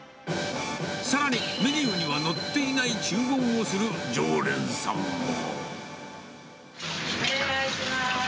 さらに、メニューには載っていない注文をする常連さんも。